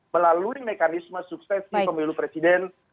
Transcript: melalui mekanisme sukses di pemilu presiden